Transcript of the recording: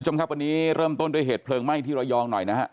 คุณผู้ชมครับวันนี้เริ่มต้นด้วยเหตุเพลิงไหม้ที่ระยองหน่อยนะฮะ